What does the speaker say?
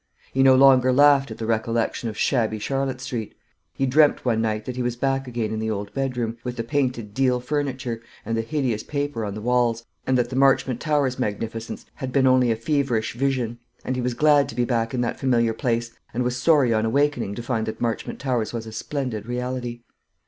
He no longer laughed at the recollection of shabby Charlotte Street. He dreamt one night that he was back again in the old bedroom, with the painted deal furniture, and the hideous paper on the walls, and that the Marchmont Towers magnificence had been only a feverish vision; and he was glad to be back in that familiar place, and was sorry on awaking to find that Marchmont Towers was a splendid reality.